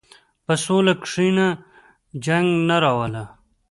په سوله کښېنه، جنګ نه راوله.